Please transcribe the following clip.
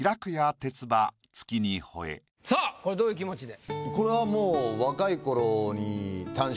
これどういう気持ちで？